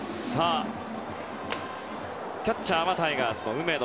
キャッチャーはタイガースの梅野。